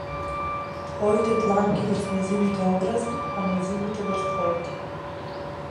Твоите дланки врз нејзините образи, а нејзините врз твоите.